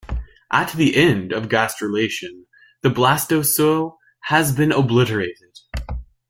At the end of gastrulation, the blastocoel has been obliterated.